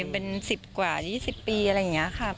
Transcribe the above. เป็นสิบกว่ายี่สิบปีอะไรอย่างนี้ค่ะ